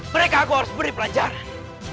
mereka aku harus beri pelajaran